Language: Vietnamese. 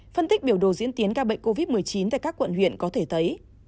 phân tích biểu đồ diễn tiến ca bệnh covid một mươi chín tại các quận huyện có thể thấy